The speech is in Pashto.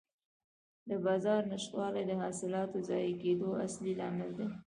د بازار نشتوالی د حاصلاتو ضایع کېدو اصلي لامل دی.